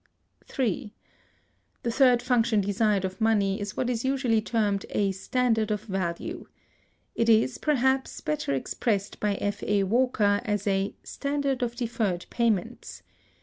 (222) (3.) The third function desired of money is what is usually termed a "standard of value." It is, perhaps, better expressed by F. A. Walker(223) as a "standard of deferred payments."